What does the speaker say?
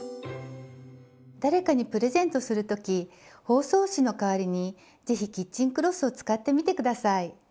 誰かにプレゼントする時包装紙の代わりに是非キッチンクロスを使ってみて下さい。